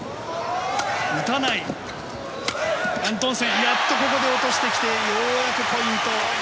アントンセンやっとここで落としてきてようやくポイント。